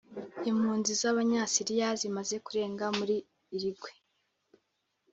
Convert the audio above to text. Impunzi z’Abanyasiriya zimaze kurenga muri Uruguay